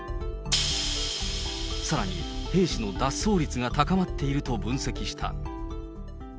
さらに、兵士の脱走率が高まっていると分析した。